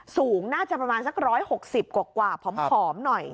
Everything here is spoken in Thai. สูงน่าจะประมาณสัก๑๖๐กว่าผอมหน่อย